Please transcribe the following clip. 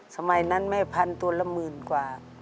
สะมายนั้นไม่พันตัวละ๑๐๐๐๐กว่า